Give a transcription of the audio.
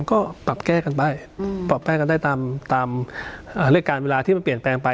ก็ปรับแก้กันไปปรับแก้กันได้ตามเรื่องการเวลาที่มันเปลี่ยนแปลงไป